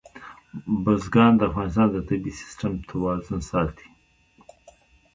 بزګان د افغانستان د طبعي سیسټم توازن ساتي.